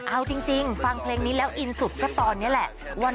เอาจริงฟังเพลงนี้แล้วอินสุดก็ตอนนี้แหละ